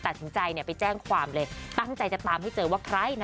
ตัดสินใจไปแจ้งความเลยตั้งใจจะตามให้เจอว่าใครนะ